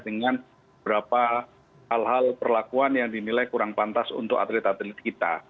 dengan beberapa hal hal perlakuan yang dinilai kurang pantas untuk atlet atlet kita